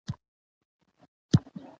ته کور لری؟